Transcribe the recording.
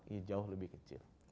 ini jauh lebih kecil